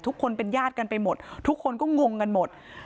ทุกคนเป็นญาติกันไปหมดทุกคนก็งงกันหมด